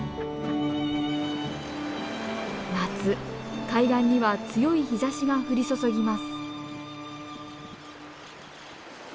夏海岸には強い日ざしが降り注ぎます。